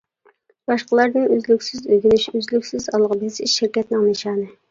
باشقىلاردىن ئۈزلۈكسىز ئۆگىنىش، ئۈزلۈكسىز ئالغا بېسىش شىركەتنىڭ نىشانى.